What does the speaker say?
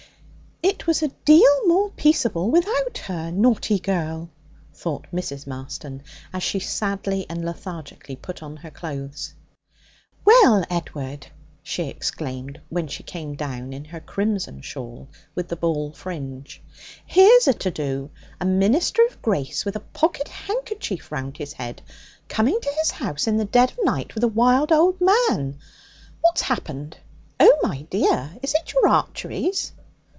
'It was a deal more peaceable without her, naughty girl!' thought Mrs. Marston as she sadly and lethargically put on her clothes. 'Well, Edward!' she exclaimed, when she came down in her crimson shawl with the ball fringe, 'here's a to do! A minister of grace with a pocket handkerchief round his head coming to his house in the dead of night with a wild old man. What's happened? Oh, my dear, is it your arteries?